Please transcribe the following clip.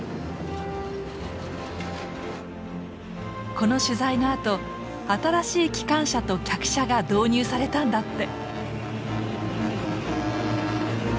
この取材のあと新しい機関車と客車が導入されたんだって。